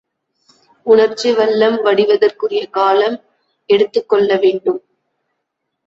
உணர்ச்சி வெள்ளம் வடிவதற்குரிய காலம் எடுத்துக்கொள்ளவேண்டும்.